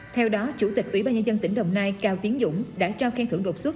theo đó chủ tịch ủy ban nhân dân tỉnh đồng nai cao tiến dũng đã trao khen thưởng đột xuất